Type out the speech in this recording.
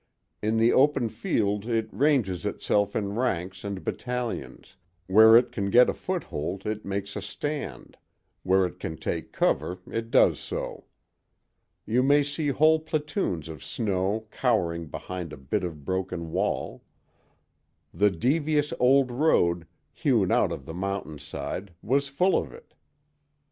In the open field it ranges itself in ranks and battalions; where it can get a foothold it makes a stand; where it can take cover it does so. You may see whole platoons of snow cowering behind a bit of broken wall. The devious old road, hewn out of the mountain side, was full of it.